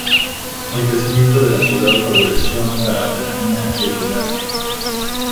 El crecimiento de la ciudad favoreció la artesanía y el comercio.